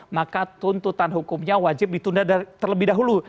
maka tuntutan hukumnya wajib ditunda terlebih dahulu